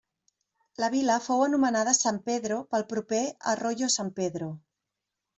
La vila fou anomenada San Pedro pel proper Arroyo San Pedro.